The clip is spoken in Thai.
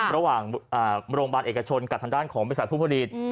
ระหว่างโรงพยาบาลเอกชนกับทางด้านของบริษัทผู้ผลิต